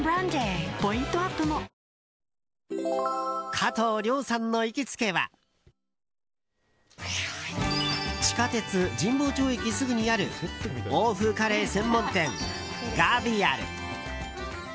加藤諒さんの行きつけは地下鉄神保町駅のすぐにある欧風カレー専門店ガヴィアル。